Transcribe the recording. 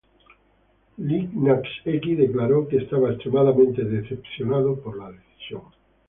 Lil Nas X declaró que estaba "extremadamente decepcionado" por la decisión.